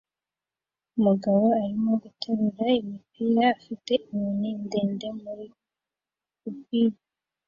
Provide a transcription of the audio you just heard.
Umugabo arimo guterura imipira afite inkoni ndende muri cubicle